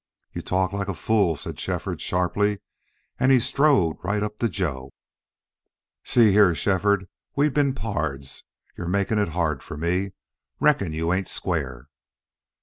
"You talk like a fool," said Shefford, sharply, and he strode right up to Joe. "See here, Shefford, we've been pards. You're making it hard for me. Reckon you ain't square."